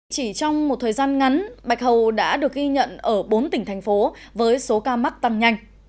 chỉ trong một thời gian ngắn bạch hầu đã được ghi nhận ở bốn tỉnh thành phố với số ca mắc tăng nhanh